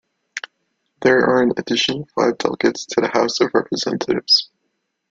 There are an additional five delegates to the House of Representatives.